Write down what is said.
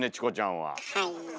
はい。